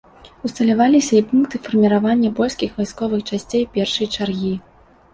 Усталёўваліся і пункты фарміравання польскіх вайсковых часцей першай чаргі.